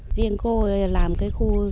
riêng cô làm cái khu này